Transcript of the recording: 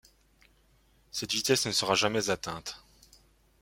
Cette vitesse ne sera jamais atteinte.